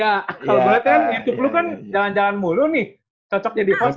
ya kalau boleh kan youtube lo kan jalan jalan mulu nih cocok jadi host